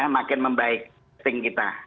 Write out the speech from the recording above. makin membaik testing kita